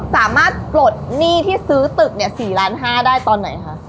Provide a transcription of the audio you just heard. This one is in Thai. ปลดหนี้ที่ซื้อตึก๔ล้าน๕ได้ตอนไหนคะ